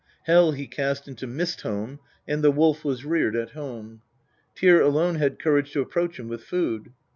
Hel he cast into Mist home ; and the Wolf was reared at home. Tyr alone had courage to approach him with food.